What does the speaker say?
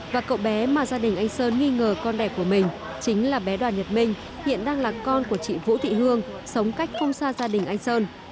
và cậu bé mà gia đình anh sơn nghi ngờ con đẻ của mình chính là bé đoàn nhật minh hiện đang là con của chị vũ thị hương sống cách không xa gia đình anh sơn